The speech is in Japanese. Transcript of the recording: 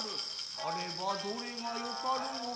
さればどれがよかろうか。